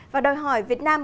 và đòi hỏi việt nam